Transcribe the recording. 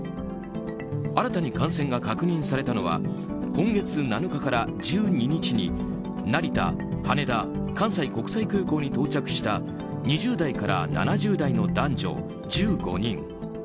新たに感染が確認されたのは今月７日から１２日に成田、羽田関西国際空港に到着した２０代から７０代の男女１５人。